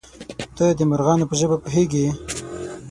_ته د مرغانو په ژبه پوهېږې؟